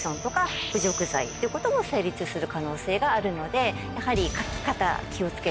ということも成立する可能性があるのでやはり。